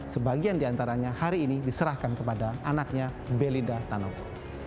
sebagian diantaranya hari ini diserahkan kepada anaknya belida tanoko